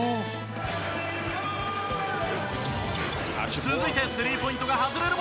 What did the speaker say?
続いてスリーポイントが外れるも。